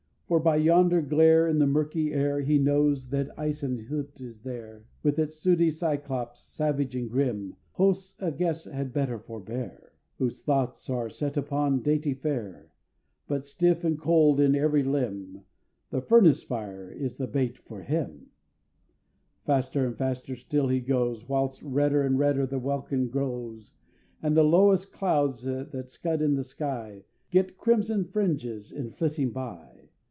For by yonder glare In the murky air, He knows that the Eisen Hutte is there! With its sooty Cyclops, savage and grim Hosts, a guest had better forbear, Whose thoughts are set upon dainty fare But stiff with cold in every limb, The Furnace Fire is the bait for Him! Faster and faster still he goes. Whilst redder and redder the welkin glows, And the lowest clouds that scud in the sky Get crimson fringes in flitting by.